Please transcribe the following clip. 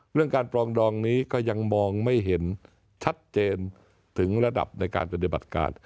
เรื่องการปรองดองนี้ก็ยังมองไม่เห็นชัดเจนถึงระดับในการปฏิบัติการ